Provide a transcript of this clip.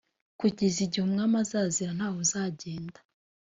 kugeza igihe umwami azazira ntawuzagenda.